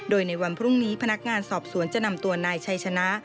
โดยในวันพรุ่งนี้พนักงานสอบสวนจะนำตัวนายชัยชนะ